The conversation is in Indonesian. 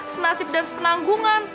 senasib dan sepenanggungan